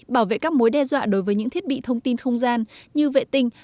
bảo vệ các mối đe dọa đối với những thiết bị thông tin không gian như vệ tinh